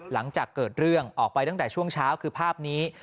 หลังจากเกิดเรื่องออกไปตั้งแต่ช่วงเช้าคือภาพนี้